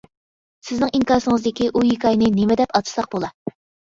سىزنىڭ ئىنكاسىڭىزدىكى ئۇ ھېكايىنى نېمە دەپ ئاتىساق بولا.